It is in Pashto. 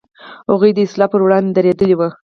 هغوی د اصلاح پر وړاندې درېدلي و.